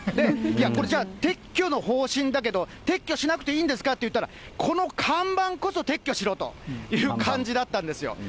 いや、これじゃあ、撤去の方針だけど、撤去しなくていいんですかって言ったら、この看板こそ撤去しろという感じだったんですよ。